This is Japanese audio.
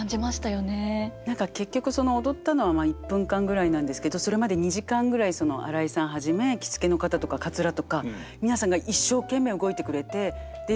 何か結局その踊ったのは１分間ぐらいなんですけどそれまで２時間ぐらい新井さんはじめ着付けの方とかかつらとか皆さんが一生懸命動いてくれてで優しいんですよ。